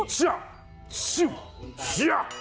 เชียะเชียะเชียะ